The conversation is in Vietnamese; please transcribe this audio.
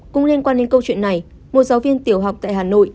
cũng liên quan đến câu chuyện này một giáo viên tiểu học tại hà nội